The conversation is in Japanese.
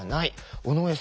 尾上さん